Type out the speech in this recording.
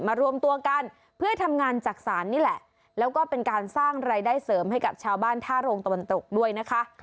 รวมตัวกันเพื่อทำงานจักษานนี่แหละแล้วก็เป็นการสร้างรายได้เสริมให้กับชาวบ้านท่าโรงตะวันตกด้วยนะคะ